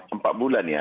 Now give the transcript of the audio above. empat bulan ya